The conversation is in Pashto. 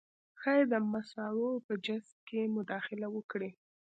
ښايي د مسو په جذب کې مداخله وکړي